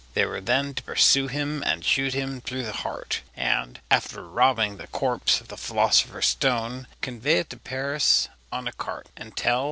They were then to pursue him and shoot him through the heart; and after robbing the corpse of the philosopher's stone, convey it to Paris on a cart, and tell M.